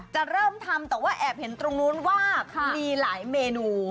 จะเริ่มทำแต่แอบเห็นว่ามีหลายเมนู